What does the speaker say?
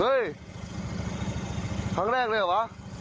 เฮ้ยครั้งแรกเลยหรอ